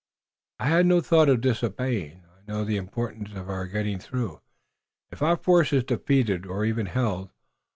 "I had no thought of disobeying. I know the importance of our getting through, if our force is defeated, or even held.